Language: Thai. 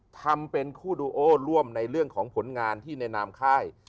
ทำเป็นคู่ดูโอร่วมในเรื่องของผลงานที่ในนามค่าย